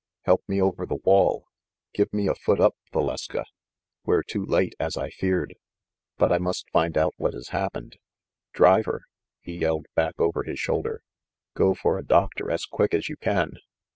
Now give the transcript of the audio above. "Help me over the wall. Give me a foot up, Valeska. We're too late, as I feared; but I must find out what has hap pened. Driver," he yelled back over his shoulder, "go for a doctor as quick as you can